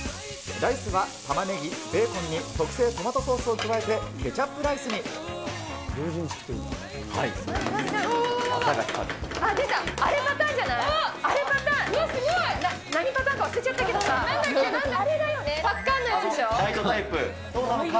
ライスは玉ねぎ、ベーコンに特製トマトソースを加えて、ケチャップライスに。